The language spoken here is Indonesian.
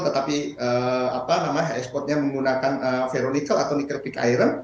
tetapi hs code nya menggunakan veronical atau nikel pick iron